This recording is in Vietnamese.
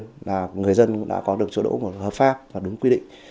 thứ nhất là người dân đã có được chỗ đỗ hợp pháp và đúng quy định